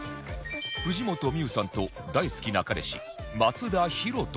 藤本美羽さんと大好きな彼氏松田博登さん